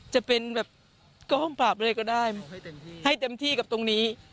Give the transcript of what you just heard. จะเป็นแบบกองปราบอะไรก็ได้ให้เต็มที่กับตรงนี้